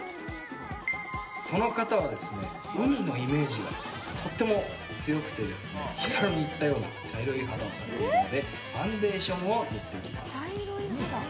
その方は海のイメージがとても強くて日サロに行ったような茶色い肌をされているのでファンデーションを塗っていきます。